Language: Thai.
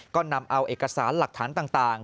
ก็นำเอาเอกสารหลักฐานต่าง